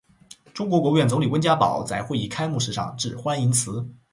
中国国务院总理温家宝在会议开幕式上致欢迎辞。